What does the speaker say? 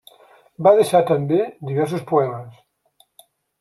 Va deixar també diversos poemes.